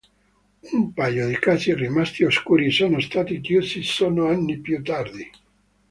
Un paio di casi rimasti oscuri sono stati chiusi solo anni più tardi.